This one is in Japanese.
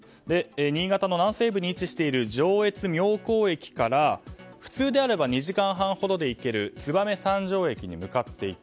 新潟の南西部に位置している上越妙高駅から普通であれば２時間半ほどで行ける、燕三条駅に向かっていた。